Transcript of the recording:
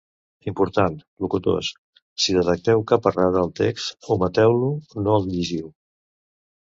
Important, locutors: si detecteu cap errada al text, ometeu-lo, no el llegiu!